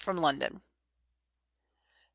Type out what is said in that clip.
from London. _Nov.